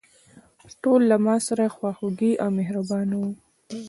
ټول له ماسره خواخوږي او مهربانه وو.